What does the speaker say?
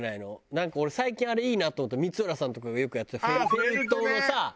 なんか俺最近あれいいなと思った光浦さんとかがよくやってたフェルトのさ。